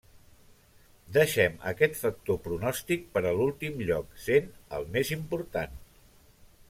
Deixem aquest factor pronòstic per a l'últim lloc sent el més important.